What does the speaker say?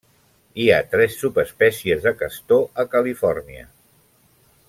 Hi ha tres subespècies de castor a Califòrnia.